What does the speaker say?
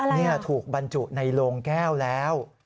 นี่ถูกบรรจุในโลงแก้วแล้ว